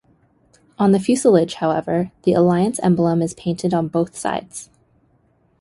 On the fuselage, however, the alliance emblem is painted on both sides.